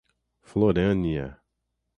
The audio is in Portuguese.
Florânia